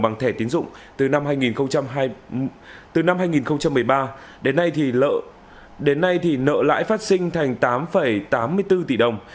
bằng thẻ tiến dụng từ năm hai nghìn một mươi ba đến nay thì nợ lãi phát sinh thành tám tám mươi bốn tỷ đồng